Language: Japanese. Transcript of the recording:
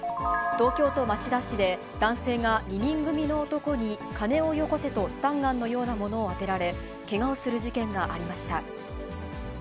東京都町田市で、男性が２人組の男に金をよこせと、スタンガンのようなものを当てられ、けがをする事件がありました。